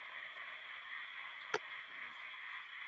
Onasining ko‘ziga